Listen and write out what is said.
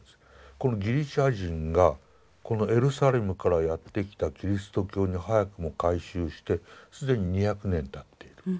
このギリシャ人がこのエルサレムからやって来たキリスト教に早くも改宗して既に２００年たっている。